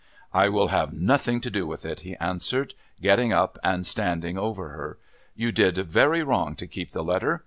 "I will have nothing to do with it," he answered, getting up and standing over her. "You did very wrong to keep the letter.